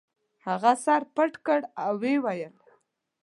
هغه سر پټ کړ او ویې ویل.